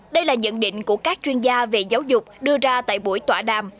đây là nhận định của các chuyên gia về giáo dục đưa ra tại buổi tọa đàm